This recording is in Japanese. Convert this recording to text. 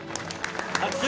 拍手！